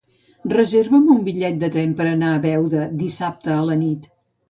Reserva'm un bitllet de tren per anar a Beuda dissabte a la nit.